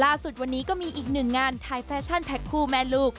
ล่าสุดวันนี้ก็มีอีกหนึ่งงานถ่ายแฟชั่นแพ็คคู่แม่ลูก